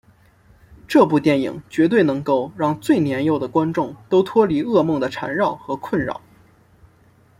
这部电影绝对能够让最年幼的观众都脱离噩梦的缠绕和困扰。